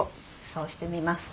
そうしてみます。